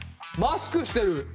マスクしてる。